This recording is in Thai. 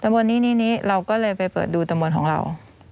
บนนี้เราก็เลยไปเปิดดูตะบนของเรา